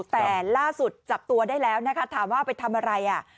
แต่ล่าสุดจับตัวได้แล้วนะคะถามว่าไปทำอะไรอ่ะ